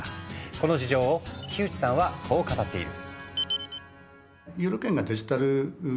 この事情を木内さんはこう語っている。